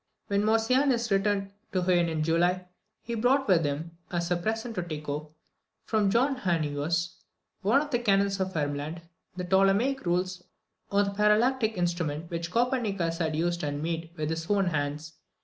When Morsianus returned to Huen in July, he brought with him, as a present to Tycho, from John Hannovius, one of the Canons of Ermeland, the Ptolemaic Rules, or the Parallactic Instrument which Copernicus had used and made with his own hands.